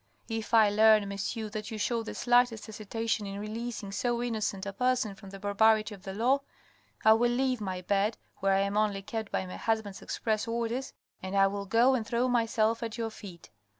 If I learn, monsieur, that you show the slightest hesitation in releasing so innocent a person from the barbarity of the law, I will leave my bed, where I am only kept by my husband's TRANQUILLITY 493 express orders, and I will go and throw myself at your feet.